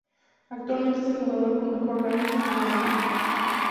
Actualmente es el jugador con mejor ranking en la India.